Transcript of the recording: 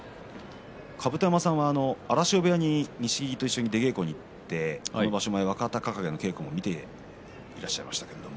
甲山さんは荒汐部屋に錦木と一緒に出稽古に行って若隆景の稽古も見ていらっしゃいましたね。